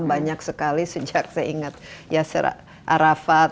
banyak sekali sejak saya ingat yasser arafat